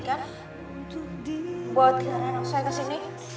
kamu janjikan buat tiara nongsa kesini